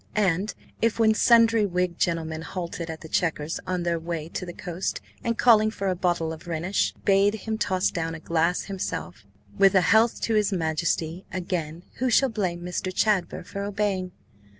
And if, when sundry Whig gentlemen halted at the Chequers on their way to the coast, and, calling for a bottle of Rhenish, bade him toss down a glass himself with a health to his Majesty, again who shall blame Mr. Chadber for obeying?